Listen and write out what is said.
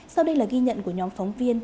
sau đây là ghi nhận của nhóm phóng viên